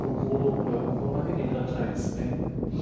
これを心掛けていただきたいですね。